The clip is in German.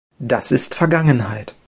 Das ist Vergangenheit.